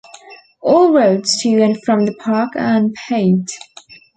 All roads to and from the park are unpaved.